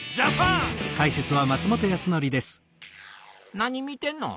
何見てんの？